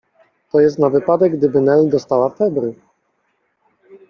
To jest na wypadek, gdyby Nel dostała febry.